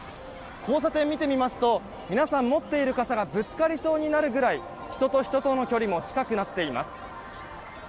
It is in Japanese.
交差点を見てみますと皆さん、持っている傘がぶつかりそうになるくらい人と人との距離が近くなっています。